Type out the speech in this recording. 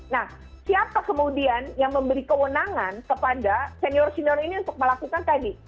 nah siapa kemudian yang memberi kewenangan kepada senior senior ini untuk melakukan tadi